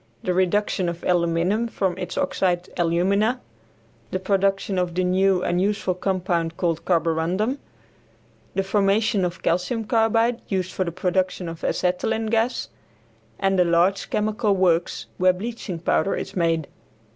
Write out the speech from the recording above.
The reduction of aluminum from its oxide alumina; the production of the new and useful compound called carborundum; the formation of calcium carbide used for the production of acetylene gas, and a large chemical works, where bleaching powder is made.